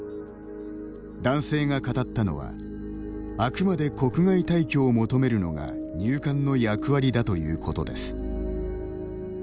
男性が語ったのはあくまで国外退去を求めるのが入管の役割だということです。